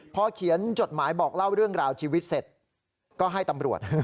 พอเขียนจดหมายบอกเล่าเรื่องราวชีวิตเสร็จก็ให้ตำรวจ